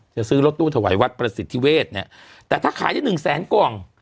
จะซื้อรถตู้ถวายวัดประสิทธิเวศเนี่ยแต่ถ้าขายได้หนึ่งแสนกล่อง